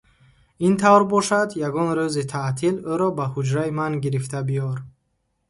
– Ин тавр бошад, ягон рӯзи таътил ӯро ба ҳуҷраи ман гирифта биёр!